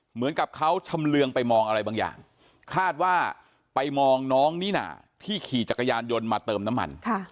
เหมือนกับเขาชำเรืองไปมองอะไรบางอย่างคาดว่าไปมองน้องนิน่าที่ขี่จักรยานยนต์มาเติมน้ำมัน